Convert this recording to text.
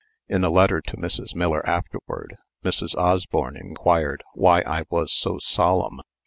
In a letter to Mrs. Miller afterward, Mrs. Osborne inquired why I was "so solemn."